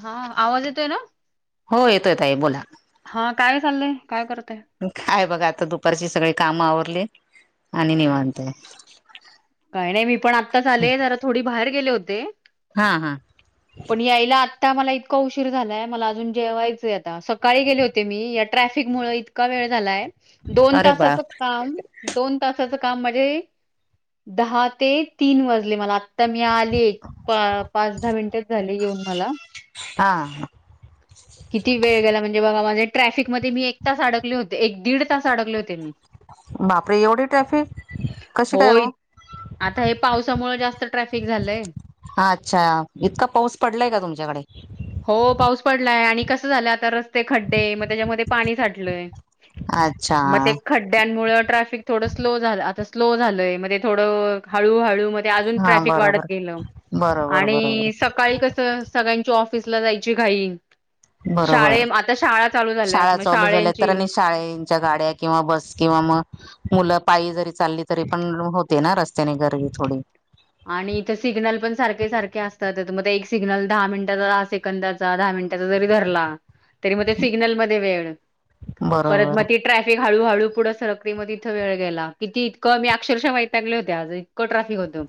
हा, आवाज येतोय ना? हो, येतोय ताई बोला! हा काय चाललंय? काय करतय काय बघा आता दुपारची सगळी काम आवरली आणि निवांत. आहे काही नाही मी पण आताच आले जरा थोडी बाहेर गेले होते. हा हा. आता मला इतका उशीर झालाय मला अजून जेवायचं आता, सकाळी गेले होते मी या ट्रॅफिक मुळ इतका वेळ काय झालाय दोन अरे बा तासाचं काम दोन तासाचं काम [unintelligible] दहा ते तीन वाजले मला तर मी आली, पाच दहा मिनिटेच झाली येऊन मला. हा किती वेळ गेला म्हणजे बघा माझे ट्रॅफिक मध्ये मी एक तास अडकले होते, एक दीड तास अडकले होते, मी बापरे एवढी ट्रॅफिक कशी काय होय हो? आता हे पावसामुळ जास्त ट्रॅफिक झालंय. हा अच्छा! इतका पाऊस पडलाय का तुमच्याकडे हो पाऊस पडलाय आणि कसं झालं आता रस्ते खड्डे मग त्याच्यामध्ये पाणी साठलंय अच्छा मग ते खड्ड्यांमुळ ट्रॅफिक थोड स्लो झा आता स्लो झालंय म थोडं हळू, हळू अजून हा ट्रफिक वाढत बरोबर गेलं बरोबर बरोबर आणि सकाळी कस सगळ्यां ऑफ औफिसला जायचे घाई शाळे बरोबर आता शाळे शाळा चालू झाल्या तर आणि शाळेच्या गाड्या किंवा बस किंवा मग मुलं पायी जरी चालली तरी पण होते ना रस्त्याने गर्दी थोडी, आणि इथं सिग्नल पण सारखे सारखे असतात. मग एक सिग्नल दहा मिनिटाचा, दहा सेकंदाचा, दहा मि त्याचा जरी धरला तरी मध्ये सिग्नल मध्ये वेळ परत बरोबर मध्ये ट्रॅफिक हळूहळू पुढं सरक म इथं वेळ गेला किती इकं मी अक्षरशः माहित लागले होत्या इतकं ट्राफिक होतं.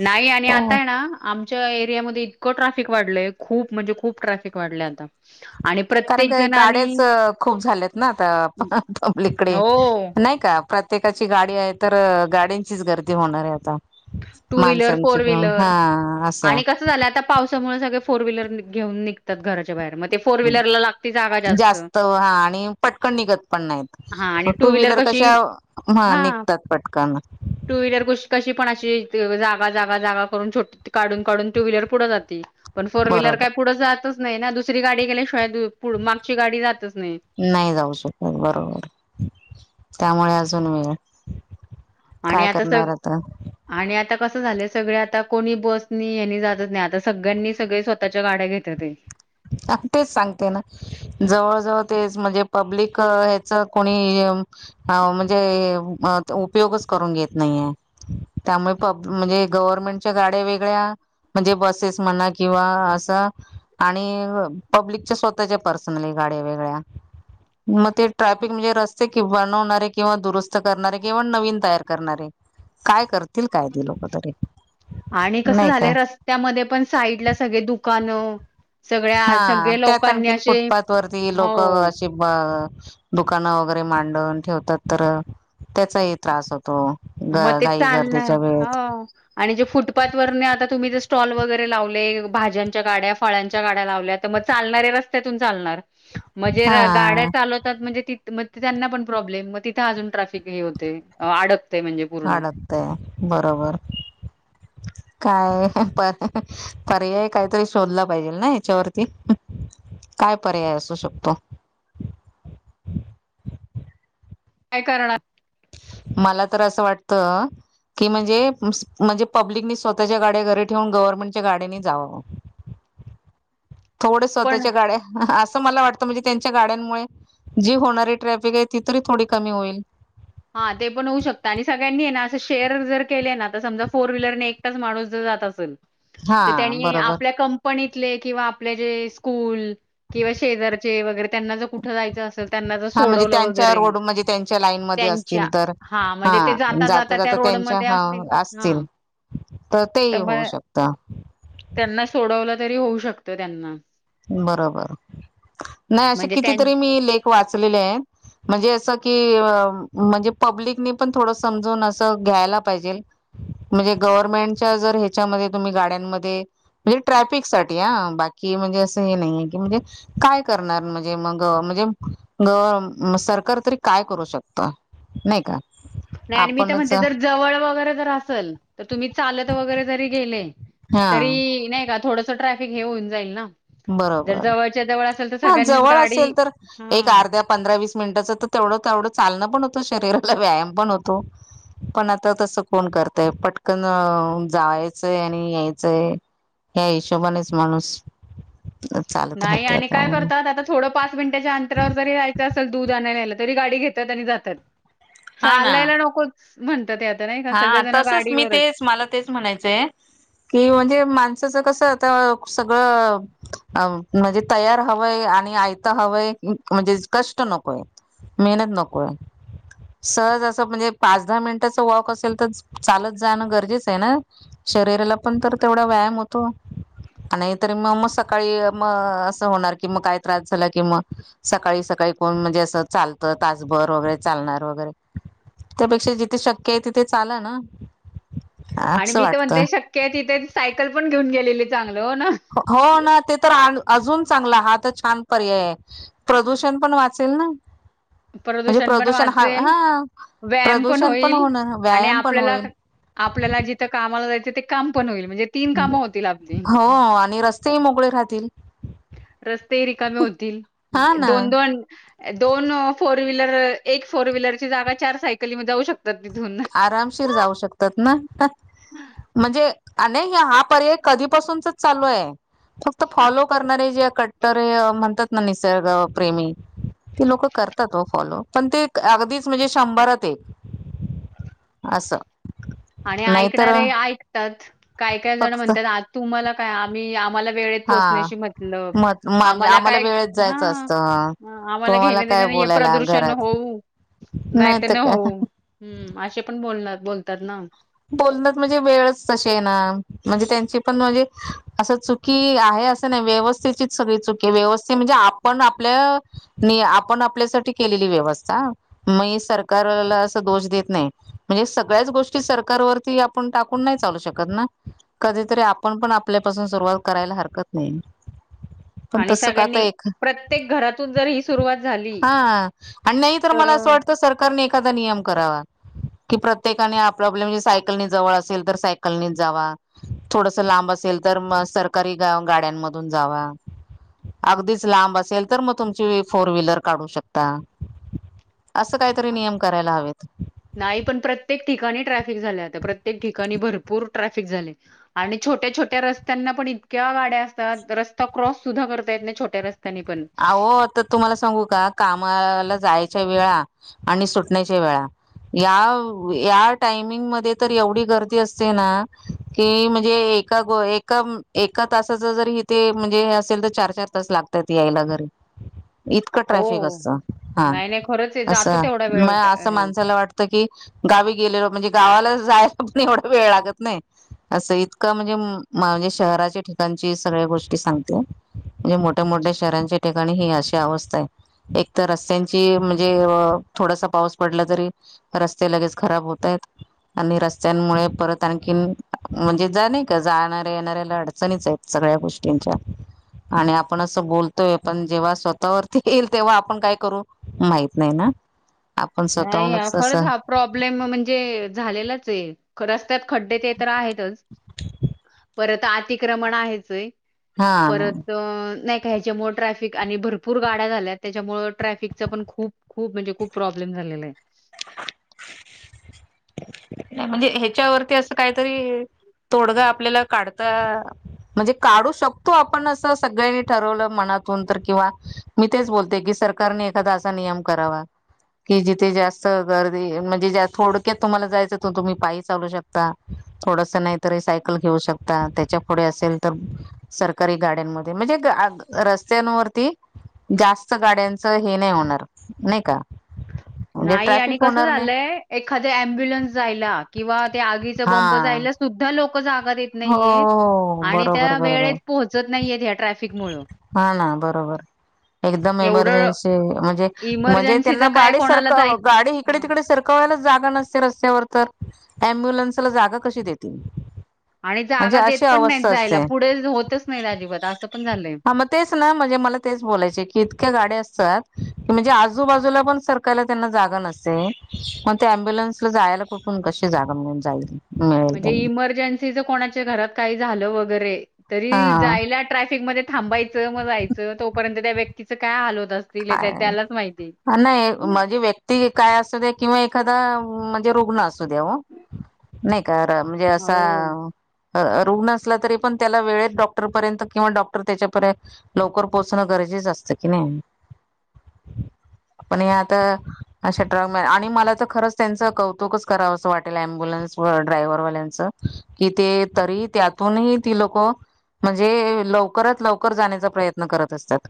नाही आणि काय आताय ना आम एरियामध्ये इतक ट्राफिक वाढल खूप म्हणजे खूप ट्राफिक वाढल आता आणि कारण प्रत्येक काय जण आणि गाड्याचा खूप झाल्यात ना आता पब्लिककडे हो नाही का? प्रत्येकाची गाडी आहे तर गाड्यांंचीच गर्दी होणार आहे आता टू व्हीलर माणसांची फोर हा व्हीलर असे आणि कसं झालं आता पावसामुळे सगळे फोर व्हीलर घेऊन निघतात घराच्या बाहेर म जास्त हा आणि पटकन निघत पण हा नाहीत आणि टू व्हीलर क कशी शा हा निघतात पटकन. टू व्हीलर कुश कशी पण अशी त जागा जागा जागा करून छो पण फोर व्हीलर काय बरोबर पुढे जातच नाही ना दुसरी गाडी गेल्या नाही जाऊ शकत बरोबर. त्यामुळे अजून वेळ आणि काय आता स करणार आता आणि आता कसं झाले सगळे आता कोणी बसनी यांनी जातच नाही आता सगळ्यांनी सगळे स्वतःच्या गाड्या घेतात आहे. तेच सांगते ना जवळ-जवळ तेच म्हणजे पब्लिक हेचा कोणी यम आव म्हणजे हे म उपयोगच करून घेत नाही आहे त्यामुळे पब म्हणजे गव्हर्मेंटच्या गाड्या वेगळ्या म्हणजे बसेस म्हणा किंवा असं आणि पब्लिकच्या स्वतःच्या पर्सनली गाड्या वेगळ्या म ते ट्रॅफिक म्हणजे रस्ते कि बनवणारे किंवा दुरुस्त करणारे किंवा नवीन तयार करणारे काय करतील काय ती लोक तरी. आणि कस नाही काय झालं रस्त्यामध्ये पण साईड ला सगळे दुकानं सगळ्या हा सगळे त्यात लोकांनी आणखीन असे फुटपाथ वरती लोकं हो अशी दुकानं वगैरे मांडून ठेवतात तर त्याचाही त्रास हो म ते चालणार हो आणि जे फुटपाथ वरनं आता तुम्ही जे स्टॉल वगैरे लावले भाज्यांच्या गाड्या फळांच्या गाड्या लावल्या तर मग चालणारऱ्या रस्त्यातून चालणार. म्हणजे र गाड्या हा चालवतात म्हणजे ती मग त्यांना पण प्रॉब्लेम मग तिथे अजून ट्रॅफिक हे होते अडक अडकते बरोबर. काय पर पर्याय काहीतरी शोधला पाहिजेल ना याच्यावरती. काय पर्याय असू शकतो. काय करणार. मला तर असं वाटतं की म्हणजे म्हणजे पब्लिकनी स्वतःच्या गाड्या घरी ठेवून गव्हर्नमेंटच्या गाड्यानी जाववं. थोड पण स्वतःच्या गाड्या अस असं मला वाटतं म्हणजे त्यांच्या गाड्यांमुळे जी होणारी ट्रॅफिक आहे ती तरी थोडी कमी होईल. हा ते पण होऊ शकतं आणि सगळ्यांनी आहे ना असं शेअर जर केले ना तर समजा फोर व्हीलरने एकटच माणूस ज जात असेल तर हा त्यांनी बरोबर आपल्या कंपनीत तले किंवा आपले जे स्कूल किंवा शेजारचे वगैरे त्यांना जर कुठे जायचे असेल त्यांना तर हा म्हणजे सोडवलं त्यांच्या वगैरे रोड म्हणजे त्यांच्या लाईन मध्ये त्यांच्या असतील तर हा म्हणजे ते जाता जाता त्या रोडमध्ये असतील हा. तर तेही होऊ त्यामुळे शकत त्यांना सोडवलं तरी होऊ शकतं त्यांना. बरोबर. नाही असे म्हणजे त्यां कितीतरी मी लेख वाचलेले आहेत म्हणजे असं की म्हणजे पब्लिक नी पण थोड समजून असं घ्यायला पाहिजेल म्हणजे गव्हर्नमेंटच्या जर ह्याच्यामध्ये तुम्ही गाड्यांमध्ये म्हणजे ट्रॅफिकसाठी आ बाकी म्हणजे अ स हे नाही आहे की म्हणजे काय करणार म्हणजे मगं म्हणजे गवर सरकार तरी का काय करू शकतं नाही का. नाही आणि मी ते आपणच म्हणते जर जवळ वगैरे जर असेल तर तुम्ही चालत वगैरे जरी गेले हा तरी नाही का थोडसा ट्रॅफिक हे होऊन जाईल ना जर बरोबर जवळच्या जवळ असेल तर हा सगळ्यांनीच जवळ गाडी असेल तर एक हा अर्ध्या पंधरा वीस मिनिटाच तर तेवढं तेवढं चालणं पण होतो. शरीराला व्यायाम पण होतो. पण आता तसं कोण करतय पटकन जावायचंय आणि यायचंय. या हिशोबानेच माणूस नाही आणि आता काय करतात आता थोडं पाच मिनिटाच्या अंतरावर जरी यायचं असलं दूध आणायला. तरी गाडी घेतात आणि जातात हा ना चालायला नको म्हणतात. नाही का हा सगळेजण तसच मी गाडीवरच. तेच मला तेच म्हणायचंय की म्हणजे माणसाचं कसं सगळं म्हणजे तयार हवंय आणि आयत हवंय म्हणजे, कष्ट नकोय. वॉक असेल तर चालत जाणं गरजेचं आहे ना. नाहीतरी मग मग सकाळी मग असं होणार की मग काय त्रास झाला कि मग सकाळी सकाळी काहिपण म्हणजे अस चालतं तासभर वगैरे चालणार वगैरे त्यापेक्षा जिथे शक की तिथे चाला ना. आणि असं मी तर वाटतं म्हणते शक्य आहे तिथे सायकल पण घेऊन गेलेले चांग हो ना ते तर अजून चांगला हा तर छान पर्याय आहे. प्रदूषण पण वाच चेल ना. म्हणजे पण प्रदूषण हा वाचेल, हा व्यायाम प्रदूषण पण होईल होणार आणि व्यायाम पण आपल्याला होईल. आपल्याला जिथं कामाला जायचं ते काम पण होईल. म्हणजे तीन कामं होतील आपली. हो आणि रस्तेही मोकळे राहतील रस्ते रिकामे होतील हा ना दोन दोन दोन फोर व्हीलर एक फोर व्हीलरची जागा चार सायकलीमध्ये जाऊ शकते. आरामशीर जाऊ शकतात ना म्हणजे, अ हा पर्याय कधीपासूनच चालू आहे. फक्त फॉलो करणारे जे कट्टर म्हणतात ना निसर्ग प्रेमी. ते लोक करतात व फॉलो पण ते अगदीच म्हणजे शंभरात एक असं आणि नाहीतर ऐकणारे ऐक फक्त मला वेेळेत हा पोहचल्याशी मतलब म म्हणजे आम्हाला काय वेळेत हा जायचं असतं. आम्हाला तुम्हाला घेन काय नये बोलायला प्रदूषण घरात होऊ नाही तर नाही होऊ असे पण बोलणार बोलतात ना बोल असं चुकी आहे असं नाही. व्यवस्थेचीच सगळी चुकी आहे व्यवस्थित म्हणजे आपण आपल्या नाही आपण आपल्यासाठी केलेली व्यवस्था म्हणजे सगळ्याच गोष्टी सर कार वरती आपण टाकून नाही चालू शकत ना. कधीतरी आपण पण आपल्यापासून सुरुवात करायला हरकत नाही. [inaudible] पण आणि तसं का आता सगळ्यांनी एक प्रत्येक घरातून जर ही सुरुवात झाली तर फक्त सरकारनी एखादा नियम करावा की प्रत्येकान सायकलनी जवळ असेल तर सायकलनी जावा. थोडस लांब असेल तर मग सरकारी गाड्या मधून जावा. [inaudible] असं काहीतरी अ, नियम करायला हवेत. नाही पण प्रत्येक ठिकाणी ट्रॅफिक जालय आता प्रत्येक ठिकाणी भरपूर ट्रॅफिक झाले आणि छोट्या छोट्या रस्त्यांना पण, इतक्या गाड्या असतात रस्ता क्रॉस सुद्धा करता येत नाही छोट्या रस्ते आओ तर तुम्हाला सांगू का कामाला जायचं. च्या वेळा आणि सुटण्याच्या वेळा याव या टायमिंग मध्ये तर एवढी गर्दी असते ना की म्हणजे, एका ए एका तासाच जर ते म्हणजे असेल तर चार चार तास लागतात. ते यायला घरी इतकं ट्रॅफिक हो, असतं हा. नाही नाही खरंच आहे जातो असं तेवढा म वेळ ट- असं हे. माणसाला वाटतं की गावी गेलेलो म्हणजे गावाला जायच पण ऐवढा वेळ लागत नाही असं इतका म्हणजे शहराच्या ठिका सगळ्या गोष्टी सांगते म्हणजे मोठ्या मोठ्या शहरांच्या ठिकाणी ही अशी अवस्था आहे [unintelligible] एक तर रस्त्यांची म्हणजे थोडासा पाऊस पडला तरी रस्ते लगेच खराब होत आहेत. [inaudible] आणि रस्त्यांमुळे परत आणखीन म्हणजे जा नाही का जाणाऱ्या येणाऱ्याला अडचणीच आहेत सगळं ्या [unintelligible] गोष्टीं आणि आपण अस बोल तोय आपण जेव्हा स्वतःवरती येईल तेव्हा आपण काय करू माहित नाही ना आपण नाही स्वतःहूनच खरंच असं हा प्रॉब्लेम म्हणजे झालेलाच ये. रस्त्यात खड्डे ते तर आहेतच परत अतिक्रमण आहेचय हा ना परत नाही. त्याच्या मूळ ट्रॅफिक आणि भरपूर गाड्या झाल्या त्याच्यामुळे ट्रॅफिक पण खूप खूप म्हणजे खूप प्रॉब्ले ् झाले [unintelligible] म्हणजे ह्याच्यावरती असं काहीतरी तोडगा आपल्याला काढता म्हणजे काढू शकतो आपण असं सगळ्यांनी ठरवलं मनातून तर किंवा मी तेच बोलते की. सरकारने एखादा अस नियम करावा की जिथं जास्त गर्दी म्हणजे थोड तुम्हाला जायचं त तुम्ही पाय चालू शकता थोडस नाही तरी सायकल घेऊ शकता त्याच्या पुुढे असेल तर सरकारी गाड्यांमध्ये म्हणजे रस्त्यांवरती जास्त गाड्यांचं हे नाही होणार नाही का म्हणजे नाही आणि ट्रॅफिक कस होणार नाही झालंय एखादी ॲम्ब्युलन्स जायला किंवा आगीच बंप हा जायला सुद्धा लोक. जागा देत हो नाहीयेत आणि बरोबर त्या बरोबर वेळेत पोहोचत नाहीयेत या ट्रॅफिक मुळ हा ना बरोबर एकदम एवढं एमर्जन्सी म्हणजे म्हणजे इमर्जन्सीचं त्यांना काय बाडे कोणाला सारख जायचं गाडी इकडे हां. तिकडे सरख जागा नसते रस्त्यावर तर अम्ब्युलन्सला जागा कशी देतील आणि म्हणजे जागा देत अशी पण अवस्था नाहीत जायला. असते पुढे होतच नाहीत अजिबात असं पण झालंय. हा मग तेच ना म्हणजे म मला तेच बोलायचे की इतक्या गाडी असतात म्हणजे आजूबाजूला पण सरकायला त्यांना जाग नसते मग त्या ॲम्ब्युलन्स ला जायला कुठु क [unintelligible] जागा मिळून जाईल मिळेल म्हणजे त्यांना इमर्जन्सीच कोणाच्या घरात काही झालं वगैरे. तरी हा जायला ट्रॅफिकमध्ये थांबायचं मग जायचं तोपर्यंत त्या व्यक्तीच काय हाल होत. असतील हे त्या त्यालाच माहिती. काय नाही म्हजे व्यक्ती काय असं ते किंवा एखादा म्हणजे रुग्णास. द्या [unintelligible] नाही म्हणजे हो. असा रुग्ण असला तरी पण त्याला वेळेत डॉक्टरपर्यंत किंवा डॉक्टर त्याच्यापर्यंत लवकर पोचणं गरजे जात की नाही [unintelligible] [inaudible] पण हे आता अशा ट्रक मॅन आणि मला तर खरंच त्यांचं कौतुकच करावं असं वाटेल अम्बुन्स व ड्रायव्हरवाल्यांचं कि ते तरी त्यातूनही ती लोक, म्हणजे लवकरात लवकर जाण्याचा प्रयत्न करत असतात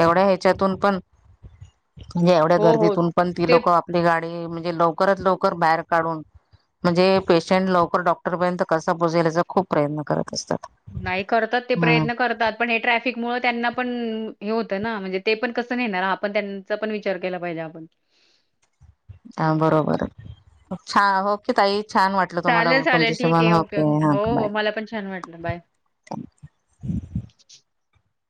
एवढ्या त्यातून पण म्हणजे एवढ्या हो, हो. गर्दीतून पण ती ते लोक आपली गाडी, हे लवकर लवकर बाहेर काढून म्हणजे पेशंट लवकर डॉक्टरपर्यंत कसा पोहचेल यांचा खूप प्रयत्न करत असतात. नाही करतात ते हम्म प्रयत्न करतात पण हे ट्रॅफिक मुळे त्यांना पण हे होतं ना म्हणजे ते पण कसं नाहीणार आपण त्यांचा पण विचार केला पाहिजे आपण. हा बरोबर छान हो कि तई चालेल चालेल ठीक आहे ओके ओके हा हो बाय. हो मला पण छान वाटलं बाय [unintelligible]